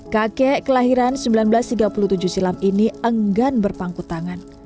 kakek kelahiran seribu sembilan ratus tiga puluh tujuh silam ini enggan berpangku tangan